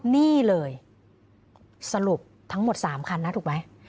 นี่เลยสรุปทั้งหมด๓คันนะถูกไหม